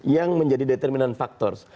yang menjadi determinan faktor